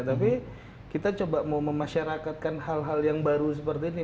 tapi kita coba mau memasyarakatkan hal hal yang baru seperti ini